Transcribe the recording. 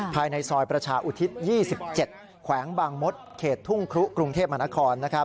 ภายในซอยประชาอุทิศ๒๗แขวงบางมดเขตทุ่งครุกรุงเทพมหานคร